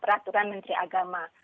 peraturan menteri agama